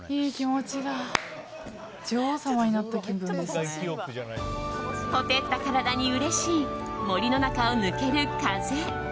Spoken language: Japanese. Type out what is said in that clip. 火照った体にうれしい森の中を抜ける風。